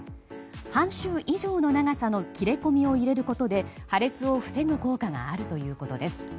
半周以上の長さの切り込みを入れることで破裂を防ぐ効果があるということです。